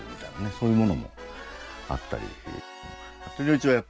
そういうものもあったり。